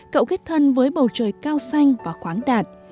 cậu kết thân với bầu trời cao xanh và khoáng đạt